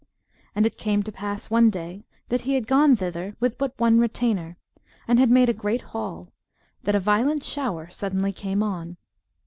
And it came to pass one day that he had gone thither with but one retainer, and had made a great haul, that a violent shower suddenly came on.